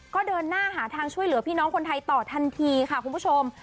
ก็เดินหน้าหาทางช่วยเหลือพี่น้องคนไทยต่อทันทีค่ะคุณผู้ชม